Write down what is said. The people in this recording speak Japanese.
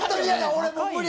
俺もう無理！